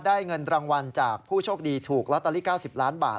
เงินรางวัลจากผู้โชคดีถูกลอตเตอรี่๙๐ล้านบาท